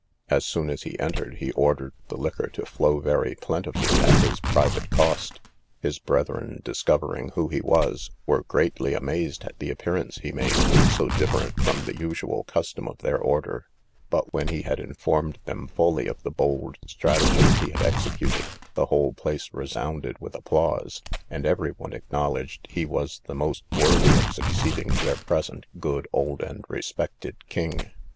As soon as he entered, he ordered the liquor to flow very plentifully at his private cost; his brethren discovering who he was, were greatly amazed at the appearance he made, so different from the usual custom of their order; but when he had informed them fully of the bold stratagem he had executed, the whole place resounded with applause, and every one acknowledged he was the most worthy of succeeding their present good old and respected king.